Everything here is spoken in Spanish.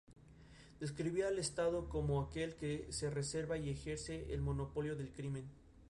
Hojas lineales estrechas a lanceoladas, raramente ovadas, de base cuneada, entera o dentada.